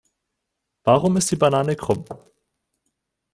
Warum ist die Banane krumm?